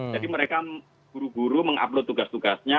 jadi mereka guru guru mengupload tugas tugasnya